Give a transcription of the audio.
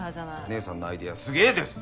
姐さんのアイデアすげぇです。